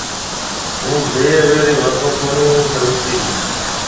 هُون بي اويري واتون ڪونَي سمجهتي تي